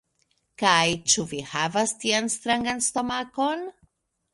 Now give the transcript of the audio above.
Kaj, ĉu vi havas tian strangan stomakon?